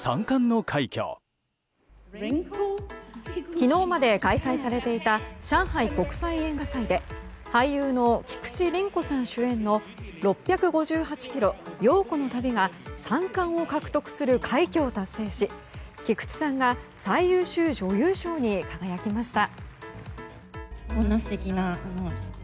昨日まで開催されていた上海国際映画祭で俳優の菊地凛子さん主演の「６５８ｋｍ、陽子の旅」が３冠を獲得する快挙を達成し菊地さんが最優秀女優賞に輝きました。